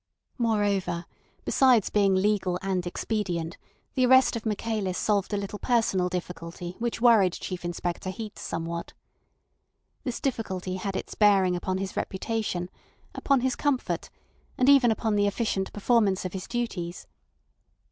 Moreover, besides being legal and expedient, the arrest of Michaelis solved a little personal difficulty which worried Chief Inspector Heat somewhat. This difficulty had its bearing upon his reputation, upon his comfort, and even upon the efficient performance of his duties.